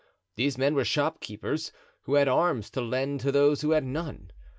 These men were shopkeepers, who had arms to lend to those who had none.